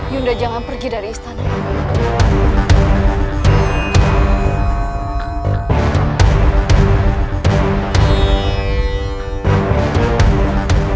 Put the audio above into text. yunda jangan pergi dari istana